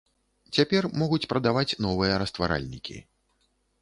Цяпер могуць прадаваць новыя растваральнікі.